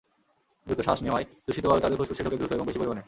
দ্রুত শ্বাস নেওয়ায় দূষিত বায়ু তাদের ফুসফুসে ঢোকে দ্রুত এবং বেশি পরিমাণে।